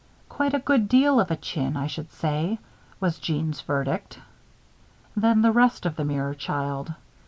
"Quite a good deal of a chin, I should say," was Jeanne's verdict. Then the rest of the mirror child.